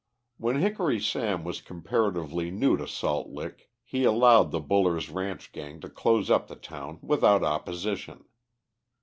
When Hickory Sam was comparatively new to Salt Lick he allowed the Buller's ranch gang to close up the town without opposition.